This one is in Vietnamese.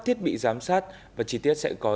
thiết bị giám sát và chi tiết sẽ có